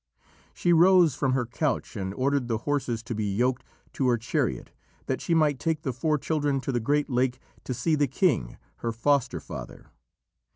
She rose from her couch and ordered the horses to be yoked to her chariot that she might take the four children to the Great Lake to see the king, her foster father.